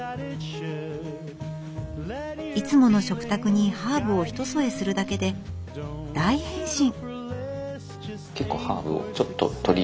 いつもの食卓にハーブを一添えするだけで大変身。